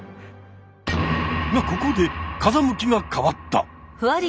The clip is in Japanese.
ここで風向きが変わった。